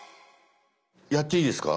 やっていいですか？